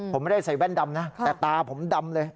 ผมไม่ได้ใส่แว่นดำนะแต่ตาผมดำเลย